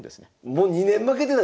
もう２年負けてないんすか⁉